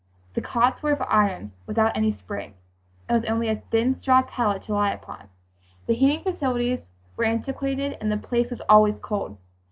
The cots were of iron, without any spring, and with only a thin straw pallet to lie upon. The heating facilities were antiquated and the place was always cold.